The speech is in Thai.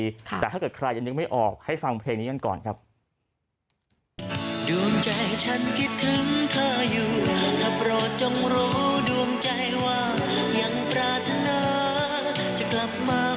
แต่ถ้าเกิดใครจะนึกไม่ออกให้ฟังเพลงนี้กันก่อนครับ